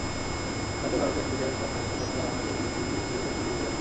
তাঁদের ভারতের পুলিশের কাছে সোপর্দ করা হবে বলে বিএসএফ বিজিবিকে জানিয়েছে।